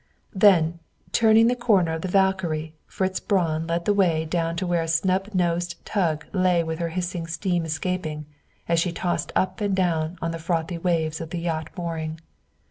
Then, turning the corner of the "Valkyrie," Fritz Braun led the way along to where a snub nosed tug lay with her hissing steam escaping, as she tossed up and down on the frothy waves of the yacht mooring.